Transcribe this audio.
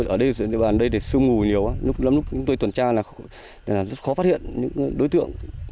ở đây để sưu ngủ nhiều lúc lắm lúc tuần tra là rất khó phát hiện những đối tượng